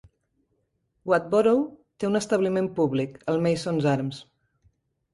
Wadborough té un establiment públic, el Masons Arms.